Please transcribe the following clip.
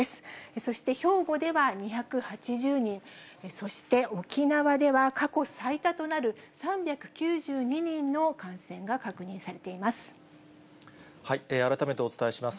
そして兵庫では２８０人、そして沖縄では過去最多となる３９２人の感染が確認されていま改めてお伝えします。